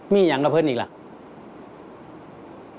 มีอย่างกับเพลินอีกหรือ